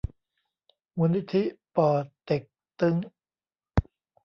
มูลนิธิป่อเต็กตึ๊ง